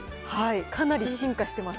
かなり進化してます。